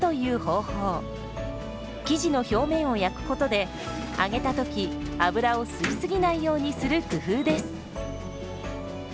生地の表面を焼くことで揚げた時油を吸い過ぎないようにする工夫です。